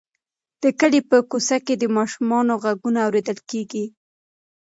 د کلي په کوڅو کې د ماشومانو غږونه اورېدل کېږي.